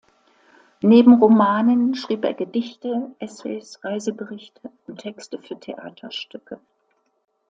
Neben Romanen schrieb er Gedichte, Essays, Reiseberichte und Texte für Theaterstücke.